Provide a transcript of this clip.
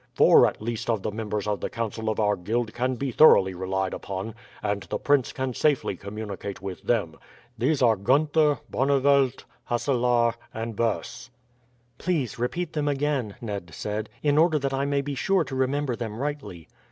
Four at least of the members of the council of our guild can be thoroughly relied upon, and the prince can safely communicate with them. These are Gunther, Barneveldt, Hasselaer, and Buys." "Please, repeat them again," Ned said, "in order that I may be sure to remember them rightly."